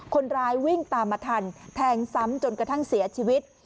คนร้ายวิ่งตามมาทันแทงซ้ำจนกระทั่งเสียชีวิต